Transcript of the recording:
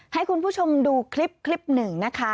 ให้คุณผู้ชมดูคลิปคลิปหนึ่งนะคะ